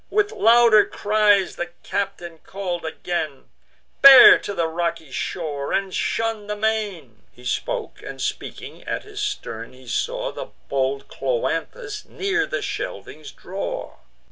With louder cries the captain call'd again: "Bear to the rocky shore, and shun the main." He spoke, and, speaking, at his stern he saw The bold Cloanthus near the shelvings draw.